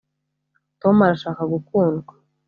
tom arashaka gukundwa